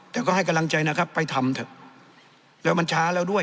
แต่ก็ให้กำลังใจนะครับไปทำเถอะแล้วมันช้าแล้วด้วย